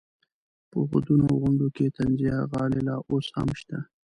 په ودونو او غونډو کې طنزیه غاړې لا اوس هم شته.